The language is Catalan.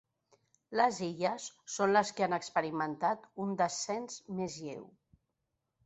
Les Illes són les que han experimentat un descens més lleu.